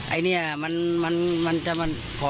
ไอนี้อ่ะมันจะค่อดื้อกับเมีย